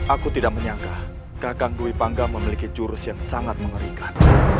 aku tidak menyangka kagang dwi panggang memiliki jurus yang sangat mengerikan